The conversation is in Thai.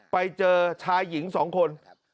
ไปเจอชายหญิง๒คน